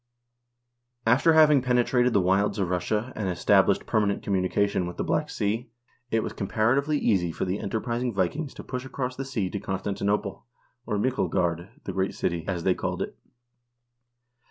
After having penetrated the wilds of Russia, and established per manent communication with the Black Sea, it was comparatively easy for the enterprising Vikings to push across that sea to Constanti nople, or Myklegard (the great city), as they called it.